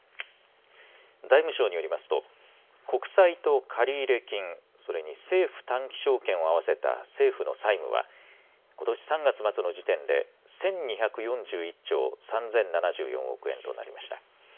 財務省によりますと、国債と借入金、それに政府短期証券を合わせた政府の債務は、ことし３月末の時点で１２４１兆３０７４億円となりました。